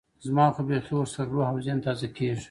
زما خو بيخي ورسره روح او ذهن تازه کېږي.